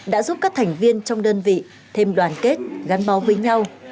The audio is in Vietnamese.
đã giúp các thành viên trong đơn vị thêm đoàn kết gắn bó với nhau